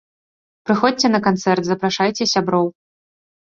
Прыходзьце на канцэрт, запрашайце сяброў!